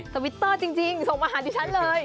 วิตเตอร์จริงส่งมาหาดิฉันเลย